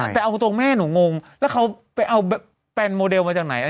แต่เอาตรงแม่หนูงงแล้วเขาไปเอาแฟนโมเดลมาจากไหน